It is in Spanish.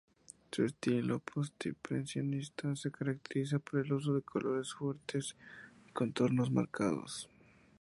Su estilo postimpresionista se caracteriza por el uso de colores fuertes y contornos marcados.